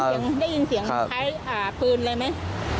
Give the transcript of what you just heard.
ได้ยินเสียงคล้ายปืนอะไรไหม